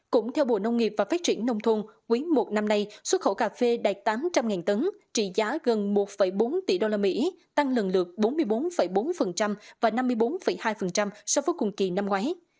cũng theo bộ nông nghiệp và phát triển nông thôn quý một năm nay xuất khẩu cà phê đạt tám trăm linh tấn trị giá gần một bốn tỷ usd tăng lần lượt bốn mươi bốn bốn và năm mươi bốn hai so với cùng kỳ năm ngoái